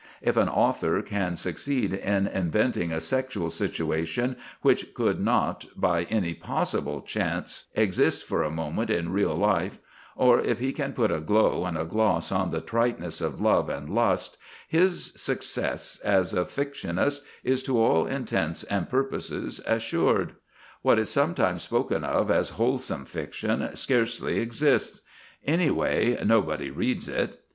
If an author can succeed in inventing a sexual situation which could not by any possible chance exist for a moment in real life, or if he can put a glow and a gloss on the tritenesses of love and lust, his success as a fictionist is to all intents and purposes assured. What is sometimes spoken of as wholesome fiction scarcely exists anyway, nobody reads it.